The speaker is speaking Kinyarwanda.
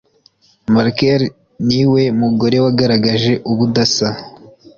markel ni we mugore wagaragaje ubudasa